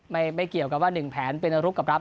ไม่เกี่ยวกับว่า๑แผนเป็นนรุกกับรับ